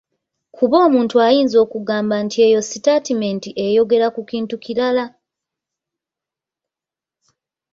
Kuba omuntu ayinza okugamba nti eyo sitaatimenti eyogera ku kintu kirala.